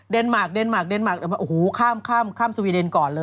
มาร์เดนมาร์เดนมาร์โอ้โหข้ามสวีเดนก่อนเลย